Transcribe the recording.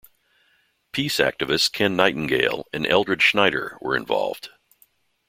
Peace activists Ken Nightingale and Eldred Schneider were involved.